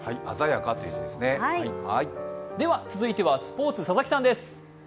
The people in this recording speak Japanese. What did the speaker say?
続いてはスポーツ、佐々木さんです。